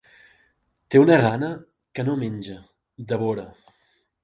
Té una gana, que no menja: devora.